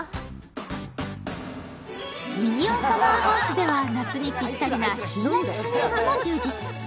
ミニオンサマーハウスでは夏にぴったりなひんやりスイーツも充実。